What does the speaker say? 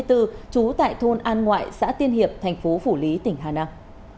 trú tại thôn an ngoại xã tiên hiệp thành phố phủ lý tỉnh hà nam